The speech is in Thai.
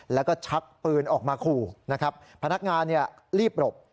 แล้วก็ชักปืนออกมาขู่นะครับพนักงานรีบหลบ